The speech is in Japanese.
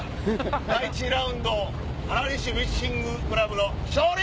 第１ラウンド原西フィッシングクラブの勝利！